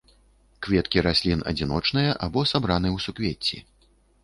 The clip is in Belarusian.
Кветкі раслін адзіночныя або сабраны ў суквецці.